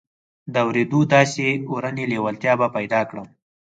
د اورېدو داسې اورنۍ لېوالتیا به پيدا کړم.